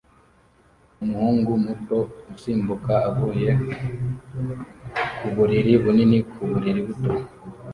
umuhungu muto usimbuka avuye ku buriri bunini ku buriri buto